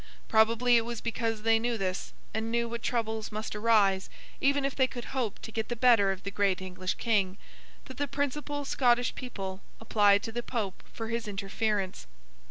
Probably it was because they knew this, and knew what troubles must arise even if they could hope to get the better of the great English King, that the principal Scottish people applied to the Pope for his interference.